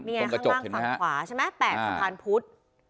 ข้างล่างฝั่งขวา๘สัมพารพุธ